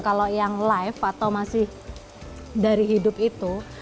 kalau yang live atau masih dari hidup itu